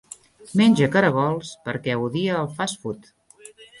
Menge caragols perquè odie el 'fast food'.